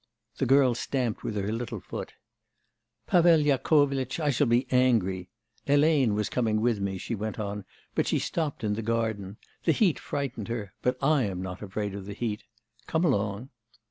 The girl stamped with her little foot. 'Pavel Yakovlitch, I shall be angry! Hélène was coming with me,' she went on, 'but she stopped in the garden. The heat frightened her, but I am not afraid of the heat. Come along.